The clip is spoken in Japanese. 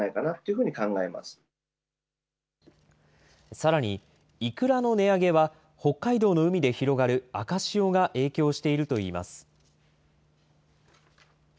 さらに、イクラの値上げは北海道の海で広がる赤潮が影響しているといいます。